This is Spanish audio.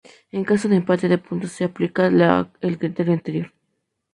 En caso de empate de puntos se aplica el criterio anterior.